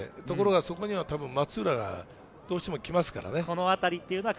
でも、そこには松浦がどうしても来ますからね。